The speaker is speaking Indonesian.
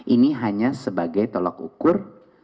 ini hanya sebagai tolok ukur